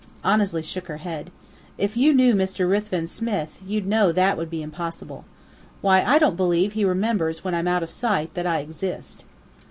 Annesley shook her head. "If you knew Mr. Ruthven Smith, you'd know that would be impossible. Why, I don't believe he remembers when I'm out of sight that I exist."